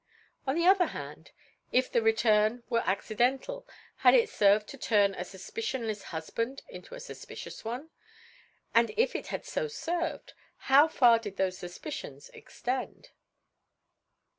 On the other hand, if the return were accidental had it served to turn a suspicionless husband into a suspicious one, and if it had so served, how far did those suspicions extend?